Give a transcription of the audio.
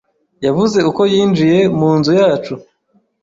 yavuze uko yinjiye munzu yacu?